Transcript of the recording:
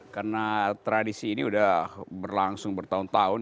karena tradisi ini sudah berlangsung bertahun tahun